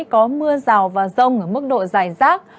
có mưa rào và rông ở mức độ dài rác